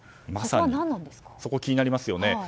まさにそこが気になりますよね。